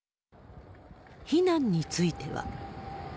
避難については。